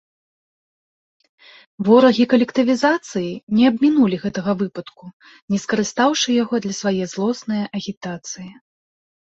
Ворагі калектывізацыі не абмінулі гэтага выпадку, не скарыстаўшы яго для свае злоснае агітацыі.